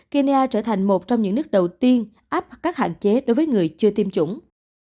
kenya trở thành một trong những nước đầu tiên áp các hạn chế đối với người chưa tiêm chủng